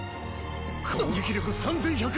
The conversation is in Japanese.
攻撃力３１００！